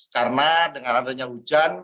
karena dengan adanya hujan